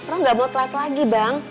rum gak mau telat lagi bang